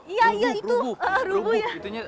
itu tuh rubu